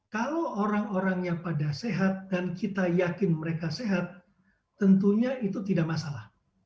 kalau orang orangnya pada sehat dan kita yakin mereka sehat tentunya itu tidak masalah